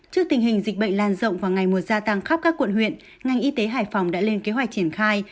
trước tình hình dịch bệnh lan rộng và ngày mùa gia tăng khắp các quận huyện ngành y tế hải phòng đã lên kế hoạch triển khai